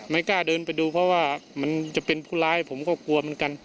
กล้าเดินไปดูเพราะว่ามันจะเป็นผู้ร้ายผมก็กลัวเหมือนกัน